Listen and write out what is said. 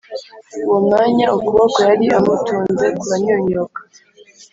Uwo mwanya ukuboko yari amutunze kuranyunyuka